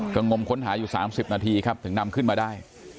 ก็งมค้นหาอยู่๓๐นาทีครับถึงนำขึ้นมาได้